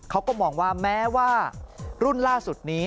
เขาก็มองว่าแม้ว่ารุ่นล่าสุดนี้